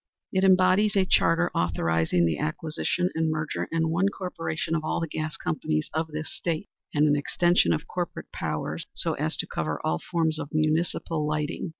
It embodies a charter authorizing the acquisition and merger in one corporation of all the gas companies of this State, and an extension of corporate powers so as to cover all forms of municipal lighting.